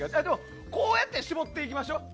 こうやって絞っていきましょう。